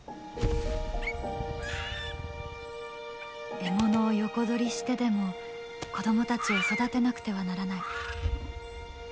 獲物を横取りしてでも子どもたちを育てなくてはならない。